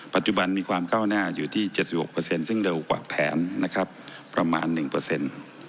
ปัจจุบันมีความก้าวหน้าอยู่ที่๗๖ซึ่งเร็วกว่าแผนนะครับประมาณ๑